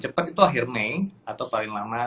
cepat itu akhir mei atau paling lama